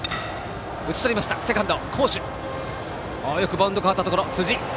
バウンド変わったところ辻。